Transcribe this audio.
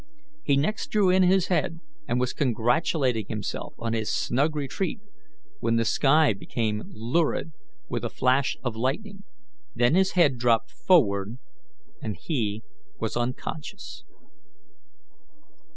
He next drew in his head, and was congratulating himself on his snug retreat, when the sky became lurid with a flash of lightning, then his head dropped forward, and he was unconscious.